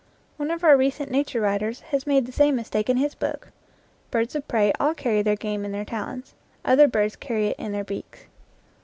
One of our recent nature writers has made the same mistake in his book. Birds of prey all carry their game in their talons; other birds carry it in their beaks.